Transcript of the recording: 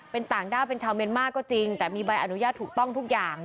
เป็นต่างด้าวเป็นชาวเมียนมาร์ก็จริงแต่มีใบอนุญาตถูกต้องทุกอย่าง